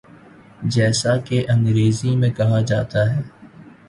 جیسا کہ انگریزی میں کہا جاتا ہے۔